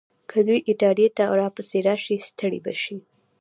که دوی ایټالیې ته راپسې راشي، ستړي به شي.